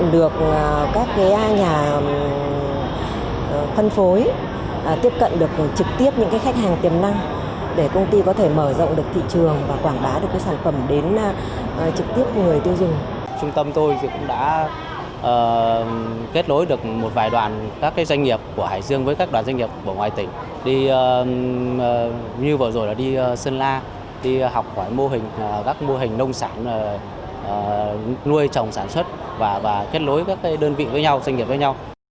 đi như vừa rồi là đi sân la đi học các mô hình nông sản nuôi trồng sản xuất và kết nối các đơn vị với nhau doanh nghiệp với nhau